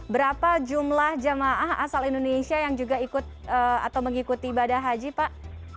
berapa jumlah jemaah asal indonesia yang juga ikut atau mengikuti ibadah haji pak